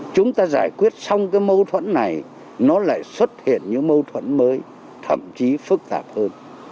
chúng ta giải quyết xong cái mâu thuẫn này nó lại xuất hiện những mâu thuẫn mới thậm chí phức tạp hơn